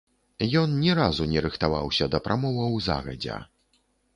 Ён ні разу не рыхтаваўся да прамоваў загадзя.